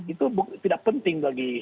itu tidak penting bagi